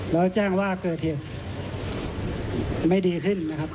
แล้วแจ้งว่าเกิดเหตุไม่ดีขึ้นนะครับ